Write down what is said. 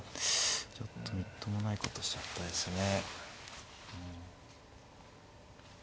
ちょっとみっともないことしちゃったですね。